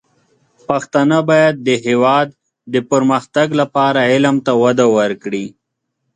پښتانه بايد د هېواد د پرمختګ لپاره علم ته وده ورکړي.